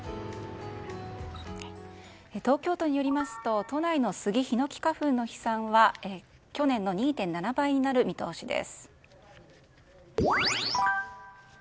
東京都によりますと都内のスギ・ヒノキ花粉の飛散は去年の２．７倍になる見通しです。